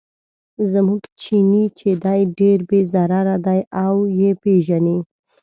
زموږ چیني چې دی ډېر بې ضرره دی او یې پیژني.